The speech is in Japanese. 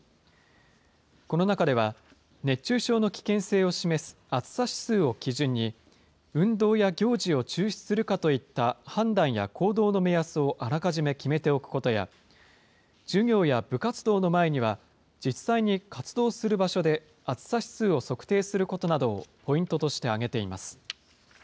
この中では、熱中症の危険性を示す暑さ指数を基準に運動や行事を中止するかといった判断や行動の目安をあらかじめ決めておくことや、授業や部活動の前には、実際に活動する場所で暑さ指数を測定することなどをポイントとして挙げています。